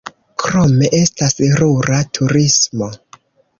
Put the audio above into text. Krome estas rura turismo.